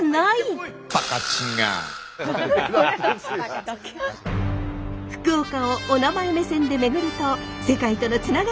福岡を「おなまえ」目線で巡ると世界とのつながりが見えてきた！